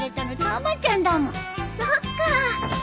そっかあ。